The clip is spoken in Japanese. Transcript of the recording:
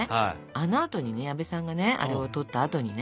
あのあとにね矢部さんがねあれをとったあとにね